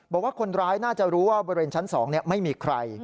บอกว่าคนร้ายน่าจะรู้ว่าบริเวณชั้น๒ไม่มีใคร